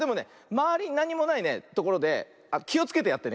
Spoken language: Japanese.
まわりになんにもないねところできをつけてやってね。